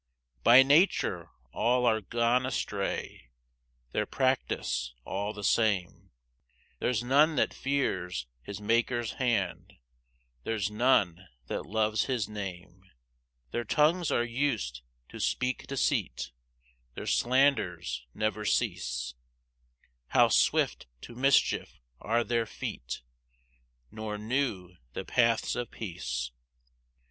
4 By nature all are gone astray, Their practice all the same; There's none that fears his Maker's hand, There's none that loves his name. 5 Their tongues are us'd to speak deceit, Their slanders never cease; How swift to mischief are their feet, Nor knew the paths of peace.